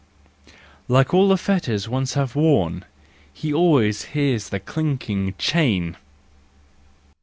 Like all that fetters once have worn, He always hears the clinking—chain